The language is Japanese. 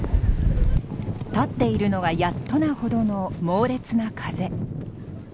立っているのがやっとなほどの猛烈な風。